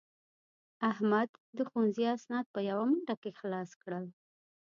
احمد د ښوونځي اسناد په یوه منډه کې خلاص کړل.